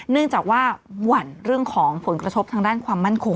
เนื่องจากว่าหวั่นเรื่องของผลกระทบทางด้านความมั่นคง